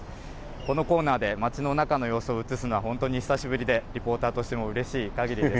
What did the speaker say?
このコーナーで街の中の様子を写すのは本当に久しぶりで、リポーターとしてもうれしいかぎりです。